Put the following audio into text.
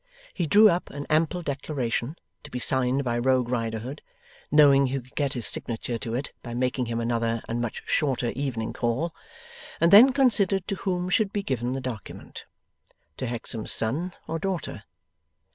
He drew up an ample declaration, to be signed by Rogue Riderhood (knowing he could get his signature to it, by making him another and much shorter evening call), and then considered to whom should he give the document? To Hexam's son, or daughter?